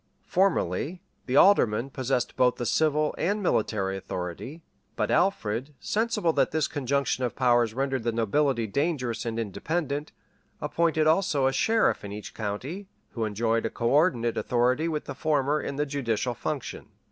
Formerly, the alderman possessed both the civil and military authority; but Alfred, sensible that this conjunction of powers rendered the nobility dangerous and independent, appointed also a sheriff in each county, who enjoyed a coördinate authority with the former in the judicial function.